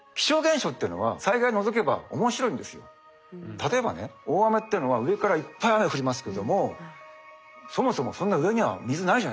例えばね大雨っていうのは上からいっぱい雨降りますけれどもそもそもそんな上には水ないじゃないですか。